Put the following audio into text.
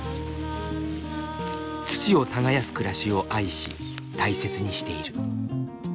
土を耕す暮らしを愛し大切にしている。